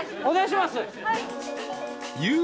お願いします。